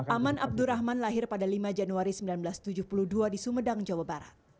aman abdurrahman lahir pada lima januari seribu sembilan ratus tujuh puluh dua di sumedang jawa barat